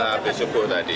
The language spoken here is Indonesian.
ya habis subuh tadi